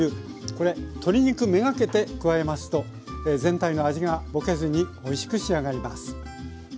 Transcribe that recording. これ鶏肉目がけて加えますと全体の味がぼけずにおいしく仕上がります。